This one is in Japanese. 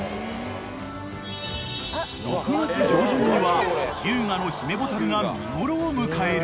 ［６月上旬には日向のヒメボタルが見頃を迎える］